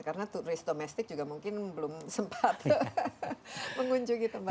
karena turis domestik juga mungkin belum sempat mengunjungi tempat tempat itu